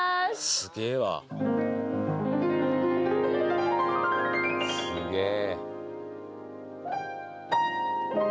すげえわすげえ！